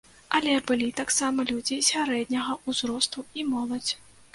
Але былі таксама людзі сярэдняга ўзросту і моладзь.